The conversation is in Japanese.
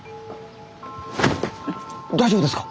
大丈夫ですか？